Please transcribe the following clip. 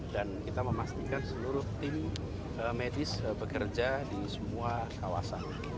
dan kita memastikan seluruh tim medis bekerja di semua kawasan